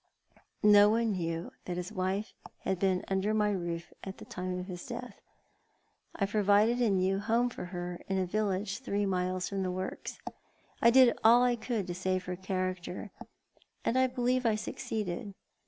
No one knew that his wife had been under my roof at the time of his death. I provided a new home for her in a village three miles from the works. I did all I could to save her character, and I believe I succeeded.